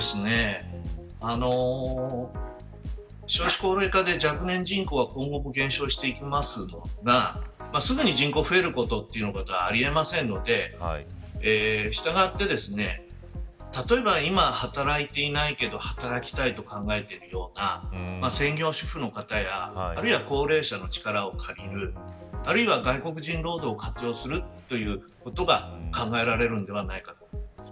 少子高齢化で若年人口が今後も減少していきますがすぐに人口が増えることはありえませんので従って、今働いていないけれど働きたいと考えているような専業主婦の方やあるいは高齢者の力を借りるあるいは外国人労働を活用するということが考えられるのではないかと思います。